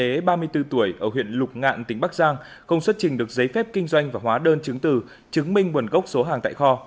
ninh văn bách là một đế ba mươi bốn tuổi ở huyện lục ngạn tỉnh bắc giang không xuất trình được giấy phép kinh doanh và hóa đơn chứng tử chứng minh buồn gốc số hàng tại kho